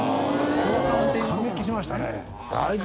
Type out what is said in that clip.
感激しましたね。